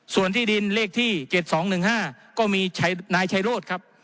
ส่วนที่ดินเลขที่๗๒๑๕ก็มีนายชัยโรธครับ